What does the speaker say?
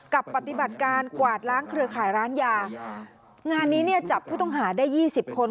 กับปฏิบัติการกวาดล้างเครือข่ายร้านยางานนี้จับผู้ต้องหาได้๒๐คน